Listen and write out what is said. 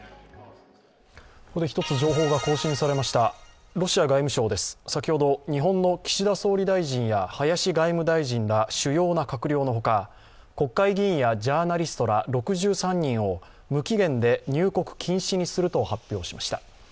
ここで１つ情報が更新されましたロシア外務省です、先ほど日本の岸田総理大臣や林外務大臣ら主要な閣僚の他、国会議員やジャーナリストら６３人を無期限で入国禁止にすると発表しました。